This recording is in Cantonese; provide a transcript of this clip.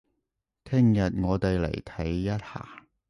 聽日我哋嚟睇一下